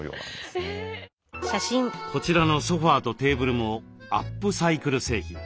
こちらのソファーとテーブルもアップサイクル製品。